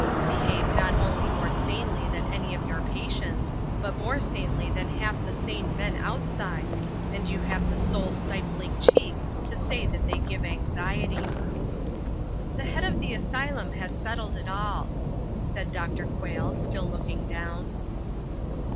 Behave not only more sanely than any of your patients, but more sanely than half the sane men outside, and you have the soul stifling cheek to say that they give anxiety." "The head of the asylum has settled it all," said Dr. Quayle, still looking down.